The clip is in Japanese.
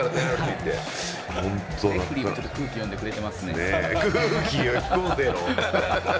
レフリーが空気読んでくれてますね。